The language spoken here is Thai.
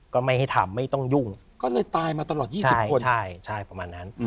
ก็ไม่ให้ทำไม่ต้องยุ่งก็เลยตายมาตลอด๒๐คนใช่ประมาณนั้น